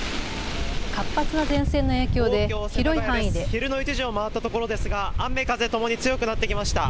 昼の１時を回ったところですが雨風ともに強くなってきました。